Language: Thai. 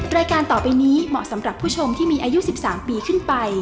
รายการต่อไปนี้เหมาะสำหรับผู้ชมที่มีอายุ๑๓ปีขึ้นไป